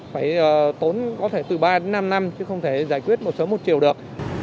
phải tốn có thể từ ba đến năm năm chứ không thể giải quyết một sớm một chiều được